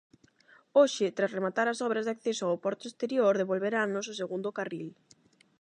Hoxe, tras rematar as obras de acceso ao porto exterior, devolverannos o segundo Carril.